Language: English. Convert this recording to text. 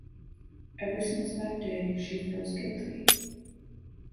Ever since that day she feels guilty.